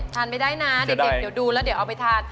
ทานไม่ได้นะเด็กเดี๋ยวดูแล้วเดี๋ยวเอาไปทาน